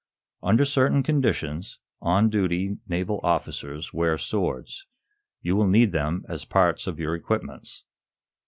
"Under certain conditions, on duty, naval officers wear swords. You will need them as parts of your equipments."